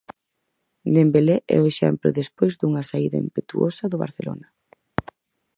Dembelé é o exemplo despois dunha saída impetuosa do Barcelona.